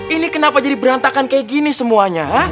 ini kenapa jadi berantakan kayak gini semuanya